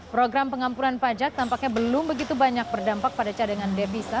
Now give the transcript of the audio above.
program pengampunan pajak tampaknya belum begitu banyak berdampak pada cadangan devisa